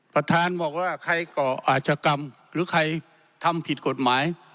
ประธานบอกว่าใครก่ออาจกรรมหรือใครทำผิดกฎหมาย